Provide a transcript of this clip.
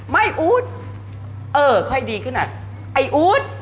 อู๊ดเออค่อยดีขนาดไอ้อู๊ด